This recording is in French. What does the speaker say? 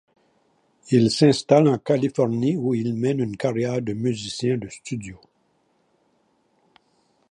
Il s’installe en Californie où il mène une carrière de musicien de studio.